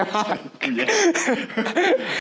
ดูแย่มาก